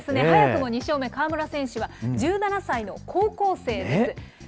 早くも２勝目、川村選手は１７歳の高校生です。